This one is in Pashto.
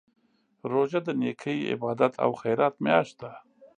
روژه د نېکۍ، عبادت او خیرات میاشت ده.